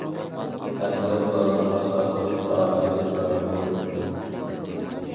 ھەمدە ئۇلارنىڭ ئاساسى پائالىيەت رايونى بولدى.